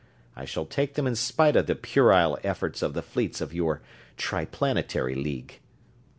I shall take them in spite of the puerile efforts of the fleets of your Triplanetary League.